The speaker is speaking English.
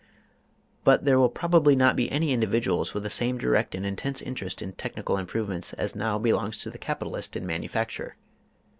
But there will probably not be any individuals with the same direct and intense interest in technical improvements as now belongs to the capitalist in manufacture.